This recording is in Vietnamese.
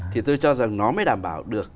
thì tôi cho rằng nó mới đảm bảo được